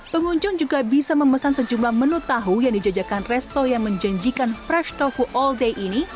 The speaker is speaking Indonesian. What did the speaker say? pengunjung juga bisa memesan sejumlah menu tahu yang dijajakan resto yang menjanjikan fresh tofu all day ini